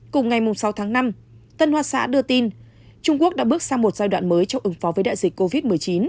cùng ngày sáu tháng năm tân hoa xã đưa tin trung quốc đã bước sang một giai đoạn mới trong ứng phó với đại dịch covid một mươi chín